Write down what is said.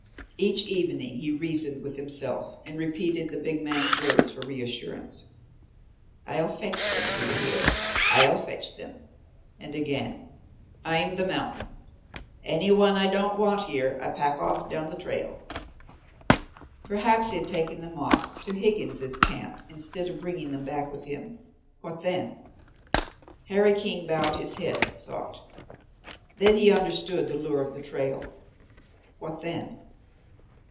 Each evening he reasoned with himself, and repeated the big man's words for reassurance: "I'll fetch them, do you hear? I'll fetch them," and again: "I'm the mountain. Any one I don't want here I pack off down the trail." Perhaps he had taken them off to Higgins' Camp instead of bringing them back with him what then? Harry King bowed his head at the thought. Then he understood the lure of the trail. What then?